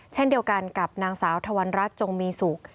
เช่นเดียวกันกับนางสาวธวรรณรัฐจงมีสุข